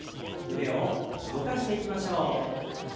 腕を動かしていきましょう。